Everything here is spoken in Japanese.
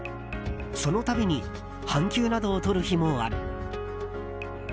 その度に半休などをとる日もある。